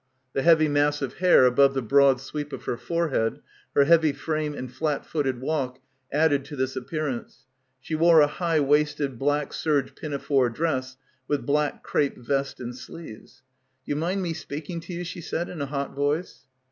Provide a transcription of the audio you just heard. The heavy mass of hair above the broad sweep of her forehead, her heavy frame and flat footed walk added to this appearance. She wore a high waisted black serge pinafore dress with black crape vest and sleeves. "Do you mind me speaking to you?" she said in a hot voice.